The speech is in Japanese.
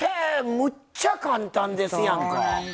むっちゃ簡単ですやんか。